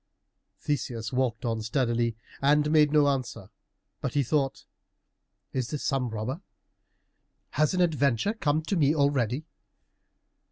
Theseus walked on steadily, and made no answer, but he thought, "Is this some robber? Has an adventure come to me already?"